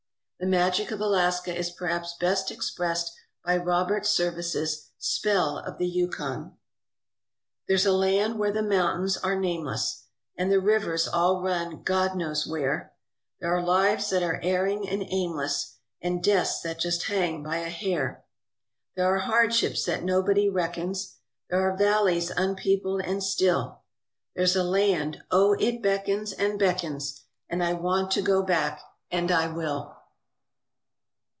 The magic of Alaska is perhaps best expressed by Robert Service's "Spell of the Yukon." There's a land where the mountains are nameless, And the rivers all run God knows where; There are lives that are erring and aimless And deaths that just hang by a hair; There are hardships that nobody reckons; There are valleys unpeopled and still; There's a land oh, it beckons and beckons. And I want to go back and I will.